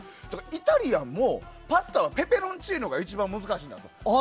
イタリアンもパスタはペペロンチーノが一番難しいんやって。